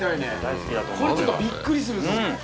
これちょっとびっくりすると思う。